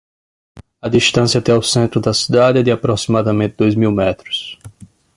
A distância até o centro da cidade é de aproximadamente dois mil metros.